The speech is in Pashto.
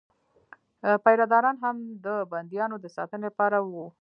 پیره داران هم د بندیانو د ساتنې لپاره وو.